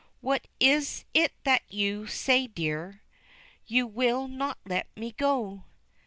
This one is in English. What is it that you say, dear, You will not let me go?